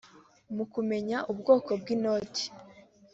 mu kumenya ubwoko bw’inoti